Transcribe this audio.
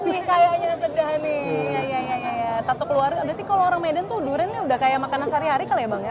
bang berarti kalau orang medan tuh duriannya udah kayak makanan sehari hari kali ya bang ya